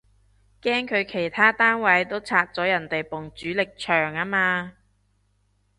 驚佢其他單位都拆咗人哋埲主力牆吖嘛